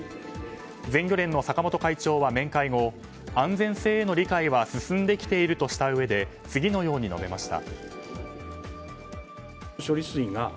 全漁連の坂本会長は面会後安全性への理解は進んできているとしたうえで次のように述べました。